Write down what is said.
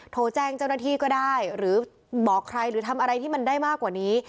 โทรแจ้งเจ้าหน้าที่ก็ได้